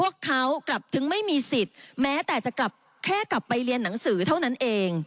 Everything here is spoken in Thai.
พวกเขากลับถึงไม่มีสิทธิ์แม้แต่จะกลับแค่กลับไปเรียนหนังสือเท่านั้นเอง